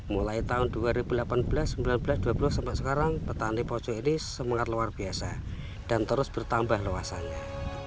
mulai tahun dua ribu delapan belas seribu sembilan ratus dua puluh sampai sekarang petani pojok ini semangat luar biasa dan terus bertambah luasannya